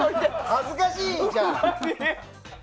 恥ずかしいじゃん！